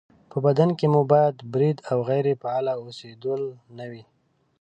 په بدن کې مو باید برید او غیرې فعاله اوسېدل نه وي